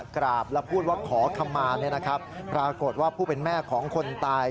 กราบแล้วพูดว่าขอขมาเนี่ยนะครับรากฏว่าผู้เป็นแม่ของคนตาย